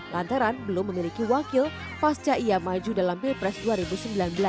lanteran belum memiliki wakil pasca ia maju dalam b press dua ribu sembilan belas